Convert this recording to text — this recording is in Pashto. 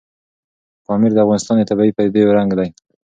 پامیر د افغانستان د طبیعي پدیدو یو رنګ دی.